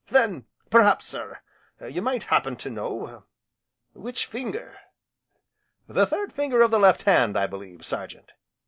"Then p 'raps sir you might happen to know which finger?" "The third finger of the left hand, I believe Sergeant."